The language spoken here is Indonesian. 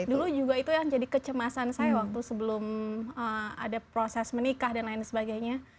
dulu juga itu yang jadi kecemasan saya waktu sebelum ada proses menikah dan lain sebagainya